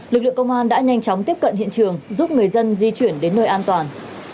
lực lượng công an đã nhanh chóng tiếp cận hiện trường giúp người dân di chuyển đến nơi an toàn